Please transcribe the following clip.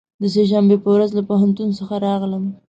د سه شنبې په ورځ له پوهنتون څخه راغلم.